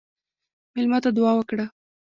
مېلمه ته دعا وکړه.